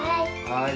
はい。